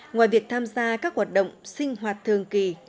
ngoài việc tham gia các hoạt động sinh hoạt thường kỳ